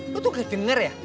lo tuh gak denger ya